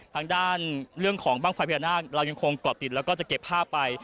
ทางด้านเรื่องของบ้างไฟพญานาคเรายังคงเกาะติดแล้วก็จะเก็บภาพไป